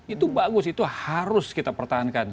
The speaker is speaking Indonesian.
itu bagus itu harus kita pertahankan